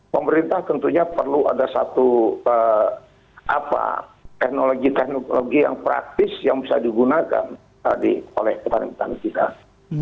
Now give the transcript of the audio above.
pemerintah tentunya perlu ada satu teknologi teknologi yang praktis yang bisa digunakan tadi oleh petani petani kita